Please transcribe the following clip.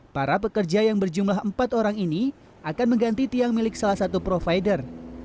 para pekerja yang berjumlah empat orang ini akan mengganti tiang milik salah satu provider